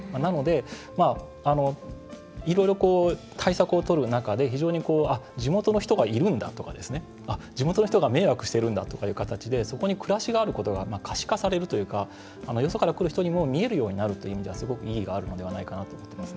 なので、いろいろ対策をとる中で非常に地元の人がいるんだとか地元の人が迷惑してるんだっていう形でそこに暮らしがあるのが可視化されるというかよそから来た人にも見えるようになるという意味では意義があるのかなと思っています。